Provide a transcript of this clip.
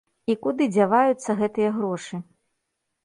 І куды дзяваюцца гэтыя грошы?